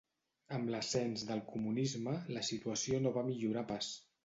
Amb l'ascens del comunisme, la situació no va millorar pas.